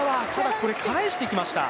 これを返してきました。